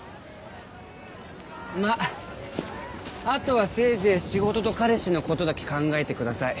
まああとはせいぜい仕事と彼氏のことだけ考えてください。